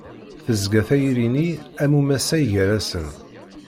Tezga tayri-nni am umassaɣ gar-asen.